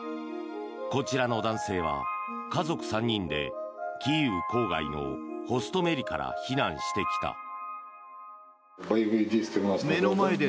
こちらの男性は、家族３人でキーウ郊外のホストメリから避難してきた。